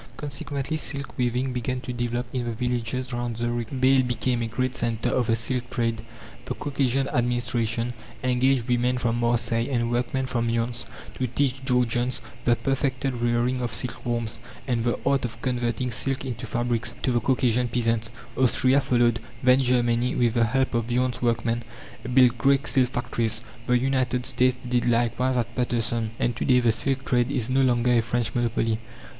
Consequently, silk weaving began to develop in the villages round Zurich. Bâle became a great centre of the silk trade. The Caucasian Administration engaged women from Marseilles and workmen from Lyons to teach Georgians the perfected rearing of silk worms, and the art of converting silk into fabrics to the Caucasian peasants. Austria followed. Then Germany, with the help of Lyons workmen, built great silk factories. The United States did likewise at Paterson. And to day the silk trade is no longer a French monopoly.